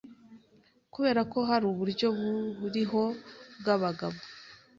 kubera ko hari uburyo buriho bw’abagabo